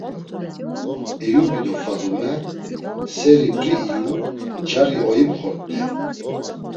Eyubi do Fadume seri p̌ri iyu, cari oimxort̆ey.